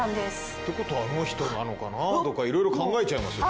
ってことはあの人なのかなとかいろいろ考えちゃいますよね。